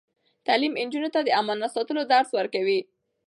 تعلیم نجونو ته د امانت ساتلو درس ورکوي.